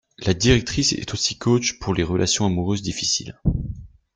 La directrice est aussi coach pour les relations amoureuses difficiles.